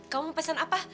kamu mau pesen apa